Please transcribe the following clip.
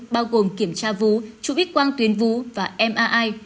bao gồm kiểm tra vú chụp ít quang tuyến vú và mri